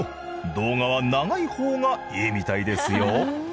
動画は長い方がいいみたいですよ。